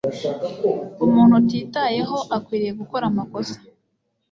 Umuntu utitayeho akwiriye gukora amakosa.